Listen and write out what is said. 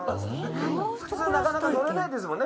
普通なかなか乗れないですもんね